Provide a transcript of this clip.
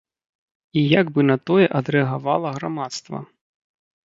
І як бы на тое адрэагавала грамадства.